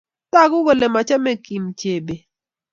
Tagu kole machame Kim chebet